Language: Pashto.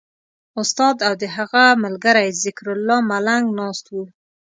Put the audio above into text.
استاد او د هغه ملګری ذکرالله ملنګ ناست وو.